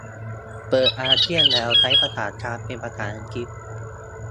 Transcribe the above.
เปิดอาเซียนแล้ว ใช้ภาษากลางเป็นภาษาอังกฤษ